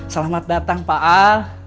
selamat datang pak al